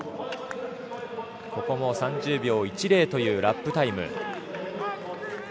ここも３０秒１０というラップタイム。